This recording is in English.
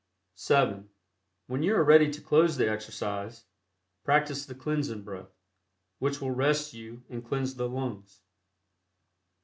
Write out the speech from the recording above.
(7) When you are ready to close the exercise, practice the cleansing breath, which will rest you and cleanse the lungs.